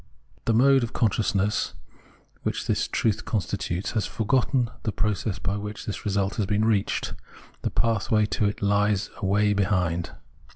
The mode of consciousness which this truth constitutes has forgotten the process by which this result has been reached ; the pathway to it lies away behind.